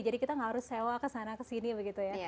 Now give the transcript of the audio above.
jadi kita nggak harus sewa kesana kesini begitu ya